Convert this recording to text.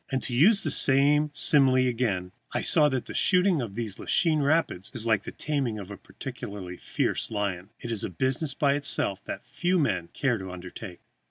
And, to use the same simile again, I saw that the shooting of these Lachine Rapids is like the taming of a particularly fierce lion; it is a business by itself that few men care to undertake.